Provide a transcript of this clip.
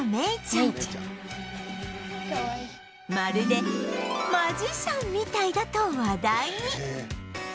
まるでマジシャンみたいだと話題に